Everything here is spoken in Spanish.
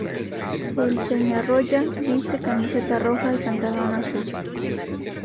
El Peñarroya viste camiseta roja y pantalón azul.